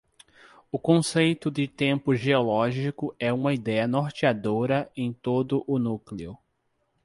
O conceito de tempo geológico é uma ideia norteadora em todo o núcleo.